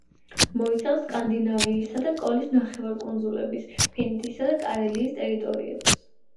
მოიცავს სკანდინავიისა და კოლის ნახევარკუნძულების, ფინეთისა და კარელიის ტერიტორიებს.